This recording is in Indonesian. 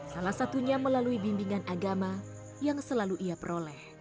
salah satunya melalui bimbingan agama yang selalu ia peroleh